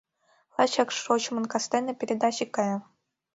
Лачак «Шочмын кастене» передаче кая.